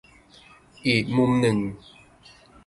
อีกมุมหนึ่ง